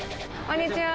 こんにちは。